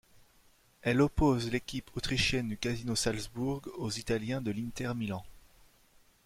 Elle oppose l'équipe autrichienne du Casino Salzbourg aux Italiens de l'Inter Milan.